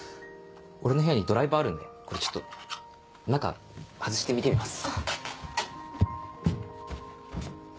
俺の部屋にドライバーあるんでこれちょっと中外して見てみます。